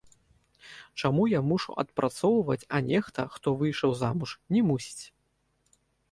Чаму я мушу адпрацоўваць, а нехта, хто выйшаў замуж, не мусіць?